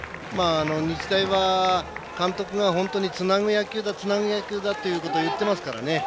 日大は監督が本当につなぐ野球だっていうことを言ってますからね。